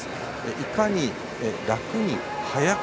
いかに楽に速く。